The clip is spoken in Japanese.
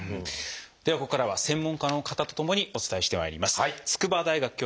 ではここからは専門家の方とともにお伝えしてまいります。